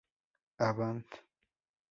A band?